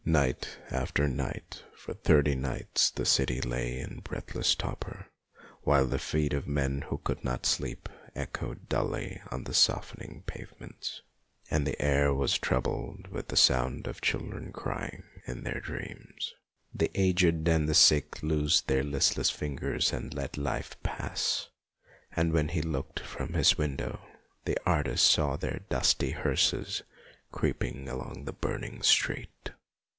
Night after night for thirty nights the city lay in breathless torpor, while the feet of men who could not sleep echoed dully on the softening pavements, and the air was troubled with the sound of children crying in their dreams. The aged and the sick loosed their listless fingers and let life pass, and when he looked from his window the artist saw their dusty hearses creeping along the burning street.